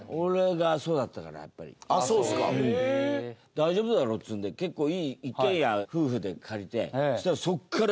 大丈夫だろうっつうんで結構いい一軒家夫婦で借りて。